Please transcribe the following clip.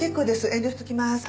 遠慮しときますはい。